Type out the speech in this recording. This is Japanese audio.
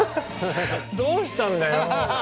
どうしたんだよ。